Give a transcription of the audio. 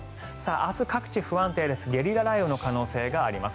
明日は各地不安定でゲリラ雷雨の可能性があります。